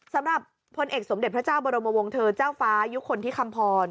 สำหรับพลเอกสมเด็จพระเจ้าบรมวงเธอเจ้าฟ้ายุคลทิคำพร